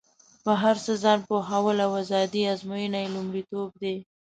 په هر څه ځان پوهول او ازادي ازموینه یې لومړیتوب دی.